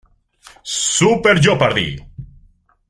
Super Jeopardy!